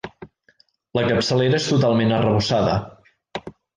La capçalera és totalment arrebossada.